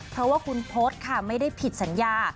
เพราะว่าคุณพศค่ะไม่ได้ผิดสัญญา